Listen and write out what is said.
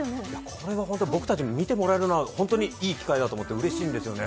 これはホント、僕たちも見てもらえるのは本当にいい機会でうれしいんですよね